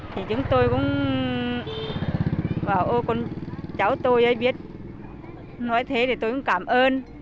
thì chúng tôi cũng bảo ô con cháu tôi biết nói thế thì tôi cũng cảm ơn